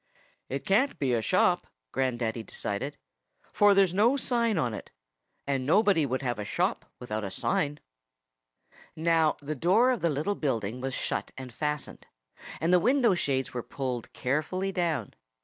"It can't be a shop," Grandaddy decided, "for there's no sign on it. And nobody would have a shop without a sign." Now, the door of the little building was shut and fastened. And the window shades were pulled carefully down.